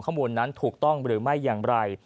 ข้อมูลนั้นถูกต้องหรือไม่อย่างไร